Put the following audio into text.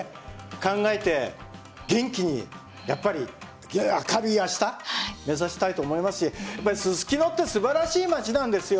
考えて元気にやっぱり明るい明日目指したいと思いますしやっぱりすすきのってすばらしい街なんですよ。